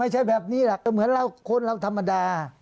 ไม่ใช่แบบนี้แหละก็เหมือนเราคนเราธรรมดา